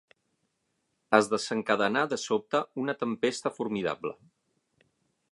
Es desencadenà de sobte una tempesta formidable.